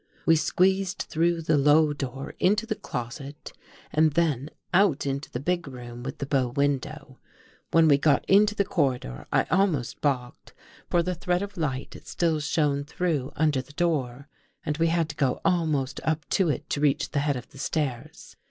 We squeezed through the low door into the closet and then out into the big room with the bow window. When we got out into the corridor I almost balked, for the thread of light still shone through under the door and we had to go almost up to it to reach the head of the stairs.